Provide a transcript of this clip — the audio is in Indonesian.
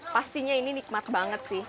pastinya ini nikmat banget sih